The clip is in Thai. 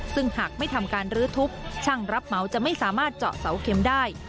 ซึ่งหากไม่ทำการรื้อทุบช่างรับเหมาจะไม่สามารถเจาะเสาเข็มได้